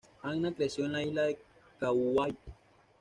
Anna creció en la isla de Kauai.